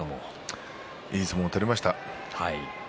いい相撲を取りました。